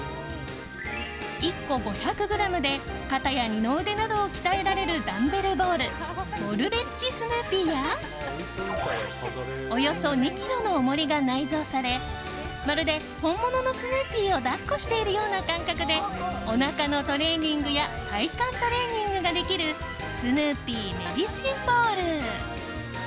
１個５００ｇで肩や二の腕などを鍛えられるダンベルボールボルレッチスヌーピーやおよそ２ｋｇの重りが内蔵されまるで本物のスヌーピーを抱っこしているような感覚でおなかのトレーニングや体幹トレーニングができるスヌーピーメディシンボール。